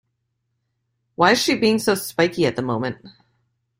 Why's she being so spiky at the moment?